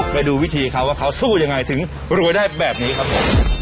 ไปดูวิธีเขาว่าเขาสู้ยังไงถึงรวยได้แบบนี้ครับผม